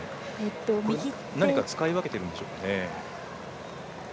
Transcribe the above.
何か使い分けているんでしょうか。